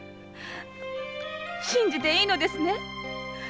信じていいのですね？